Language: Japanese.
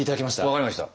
分かりました。